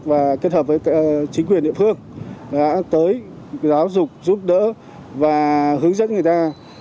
và kết hợp với chính quyền địa phương đã tới giáo dục giúp đỡ và hướng dẫn người ta